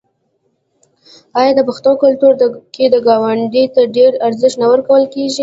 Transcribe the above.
آیا د پښتنو په کلتور کې ګاونډي ته ډیر ارزښت نه ورکول کیږي؟